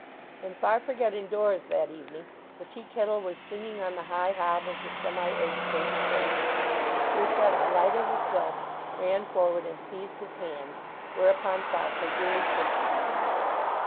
When Farfrae got indoors that evening the tea kettle was singing on the high hob of the semi egg shaped grate. Lucetta, light as a sylph, ran forward and seized his hands, whereupon Farfrae duly kissed her.